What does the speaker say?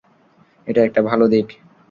এটা একটা ভালো দিক।